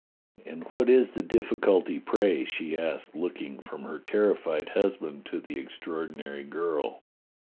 "And what is the difficulty, pray.'^" she asked, look ing from her terrified husband to the extraordinary girl.